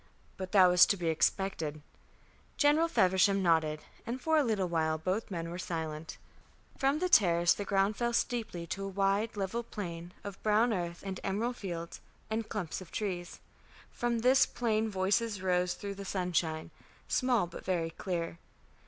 "But that was to be expected." General Feversham nodded, and for a little while both men were silent. From the terrace the ground fell steeply to a wide level plain of brown earth and emerald fields and dark clumps of trees. From this plain voices rose through the sunshine, small but very clear.